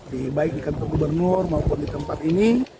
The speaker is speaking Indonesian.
di baik di kantor gubernur maupun di tempat ini